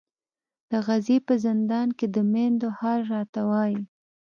د غزې په زندان کې د میندو حال راته وایي.